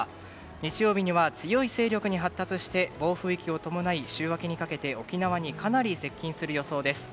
日曜日には強い勢力に発達して暴風域を伴い週明けにかけて沖縄にかなり接近する予想です。